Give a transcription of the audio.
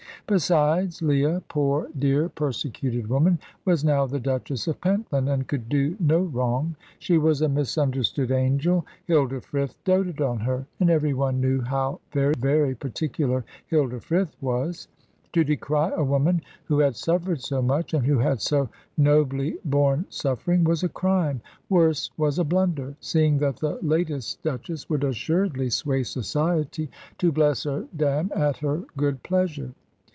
Besides, Leah poor, dear, persecuted woman was now the Duchess of Pentland, and could do no wrong. She was a misunderstood angel. Hilda Frith doted on her, and every one knew how very, very particular Hilda Frith was. To decry a woman who had suffered so much, and who had so nobly borne suffering, was a crime worse, was a blunder, seeing that the latest Duchess would assuredly sway society, to bless or damn at her good pleasure.